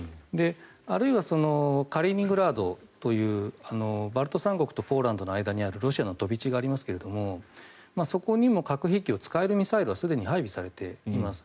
あるいはカリーニングラードというバルト三国とポーランドの間にあるロシアの飛び地がありますけどそこにもすでに核兵器を使えるミサイルはすでに配備されています。